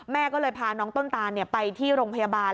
แม่ก็เลยพาน้องต้นตานไปที่โรงพยาบาล